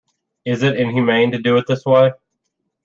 It is inhumane to do it this way.